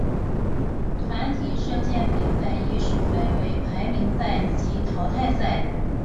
团体射箭比赛亦是分为排名赛及淘汰赛。